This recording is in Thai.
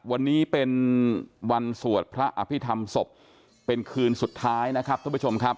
วันนี้เป็นวันสวดพระอภิษฐรรมศพเป็นคืนสุดท้ายนะครับทุกผู้ชมครับ